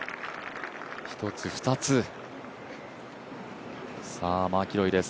１つ、２つ、さあマキロイです。